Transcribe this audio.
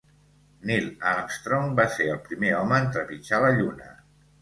Neil Armstrong va ser el primer home en trepitjar la lluna.